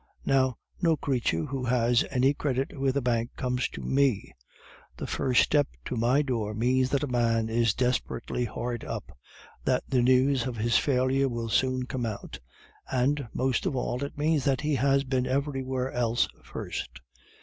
Now, no creature who has any credit with a bank comes to me. The first step to my door means that a man is desperately hard up; that the news of his failure will soon come out: and, most of all, it means that he has been everywhere else first.